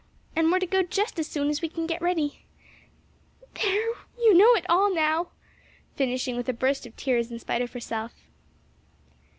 And we're to go just as soon as we can get ready. "There, now you know it all!" finishing with a burst of tears in spite of herself.